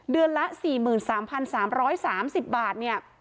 เดือนละ๔๓๓๓๐บาท